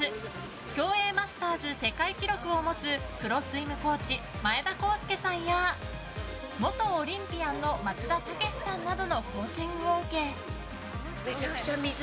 競泳マスターズ世界記録を持つプロスイムコーチ前田康輔さんや元オリンピアンの松田丈志さんなどのコーチングを受け。